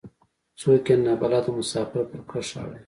څوک يې نا بلده مسافر پر کرښه اړوي.